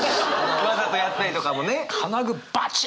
わざとやったりとかもね。